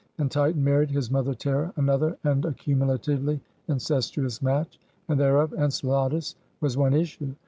And Titan married his mother Terra, another and accumulatively incestuous match. And thereof Enceladus was one issue.